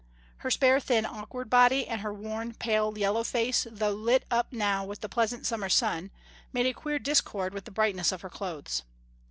Her spare, thin, awkward body and her worn, pale yellow face though lit up now with the pleasant summer sun made a queer discord with the brightness of her clothes.